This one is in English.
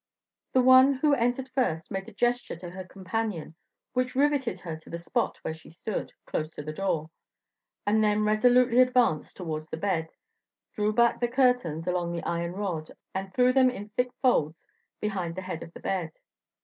The one who entered first made a gesture to her companion, which riveted her to the spot where she stood, close to the door, and then resolutely advanced towards the bed, drew back the curtains along the iron rod, and threw them in thick folds behind the head of the bed.